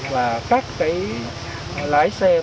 và các lái xe tải xoáy xe container